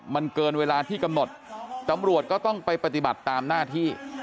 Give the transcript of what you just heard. มันเกินเวลาที่กำหนดตำรวจก็ต้องไปปฏิบัติตามหน้าที่